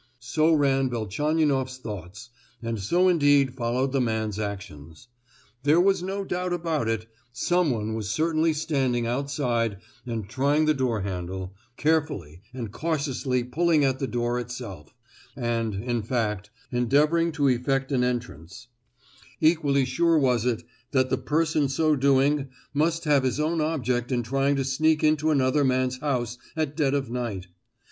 So ran Velchaninoff's thoughts, and so indeed followed the man's actions. There was no doubt about it, someone was certainly standing outside and trying the door handle, carefully and cautiously pulling at the door itself, and, in fact, endeavouring to effect an entrance; equally sure was it that the person so doing must have his own object in trying to sneak into another man's house at dead of night.